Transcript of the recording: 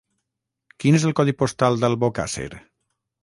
Quin és el codi postal d'Albocàsser?